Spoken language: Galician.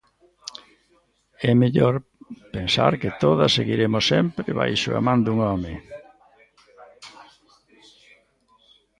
É mellor pensar que todas seguiremos sempre baixo a man dun home.